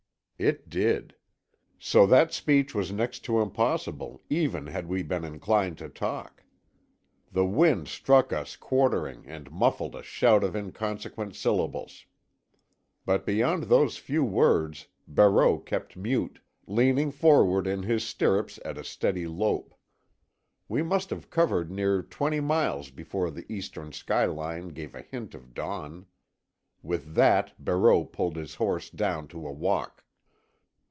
It did. So that speech was next to impossible, even had we been inclined to talk. The wind struck us quartering and muffled a shout to inconsequent syllables. But beyond those few words Barreau kept mute, leaning forward in his stirrups at a steady lope. We must have covered near twenty miles before the eastern skyline gave a hint of dawn. With that Barreau pulled his horse down to a walk.